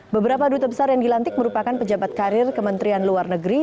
beberapa duta besar yang dilantik merupakan pejabat karir kementerian luar negeri